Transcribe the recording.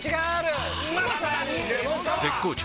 絶好調！！